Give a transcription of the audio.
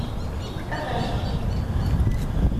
Ad armeɣ aya.